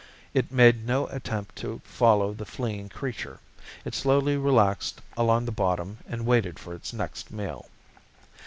It made no attempt to follow the fleeing creature. It slowly relaxed along the bottom and waited for its next meal.